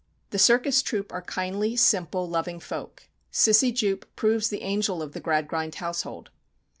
The circus troupe are kindly, simple, loving folk. Cissy Jupe proves the angel of the Gradgrind household.